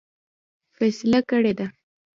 فیصله کړې ده.